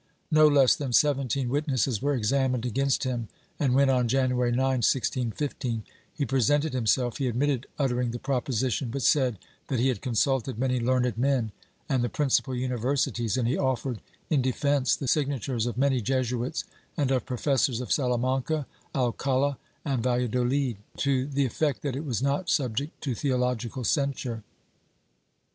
No less than seventeen witnesses were examined against him and when, on January 9, 1615, he presented himself, he admitted uttering the proposition, but said that he had consulted many learned men and the principal universities and he offered in defence the signatures of many Jesuits and of professors of Sala manca, Alcala and Valladolid, to the effect that it was not subject to theological censure.